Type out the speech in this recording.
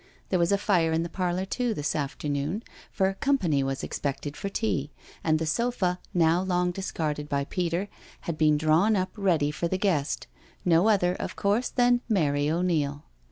There was a fire in the parlour too this afternoon, for '* company " was ex pected for tea, and the sofa, now long discarded by Peter, had been drawn up ready for the guest — no other, of course, than Mary O'Neil.